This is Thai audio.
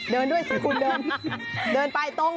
เดินด้วยสิคุณเดินเดินไปตรง